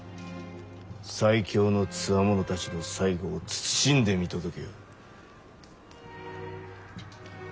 最強のつわものたちの最期を謹んで見届けよ。